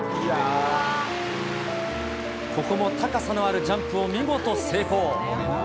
ここも高さのあるジャンプを見事成功。